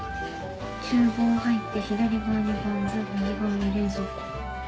厨房入って左側にバンズ右側に冷蔵庫。